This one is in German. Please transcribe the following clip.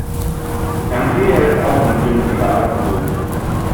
Sangria ist auch nur günstiger Alkohol.